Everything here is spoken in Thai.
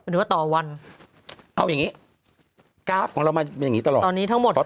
เอางี้กราฟของเรามันอย่างนี้ตลอด